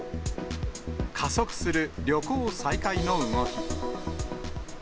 加速する旅行再開の動き。